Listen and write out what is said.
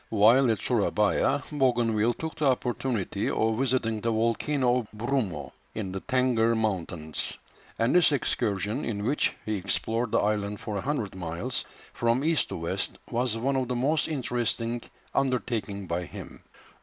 While at Surabaya, Bougainville took the opportunity of visiting the volcano of Brumo, in the Tengger Mountains; and this excursion, in which he explored the island for a hundred miles, from east to west, was one of the most interesting undertaken by him.